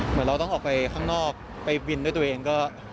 เหมือนเราต้องออกไปข้างนอกไปบินด้วยตัวเองก็